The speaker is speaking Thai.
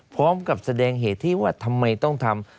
พร้อมกับแสดงเหตุที่ว่าทำไมต้องทำ